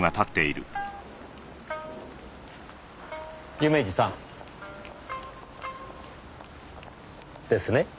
夢路さん。ですね？